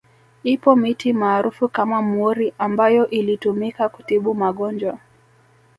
Ipo miti maarufu kama mwori ambayo ilitumika kutibu magonjwa